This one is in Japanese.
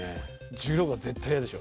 １６は絶対嫌でしょ